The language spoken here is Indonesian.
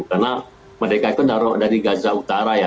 karena mereka itu dari gaza utara ya